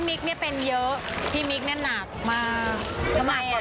พี่มิ๊กเป็นเยอะพี่มิ๊กหนักมากกว่าเบ้นเยอะ